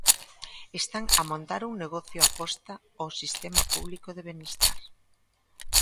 Están a montar un negocio a costa o sistema público de benestar.